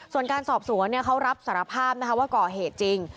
ส่วนการสอบสวนเขารับสารภาพว่าก่อเหตุจริง